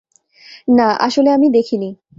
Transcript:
না, আসলে আমি দেখিনি।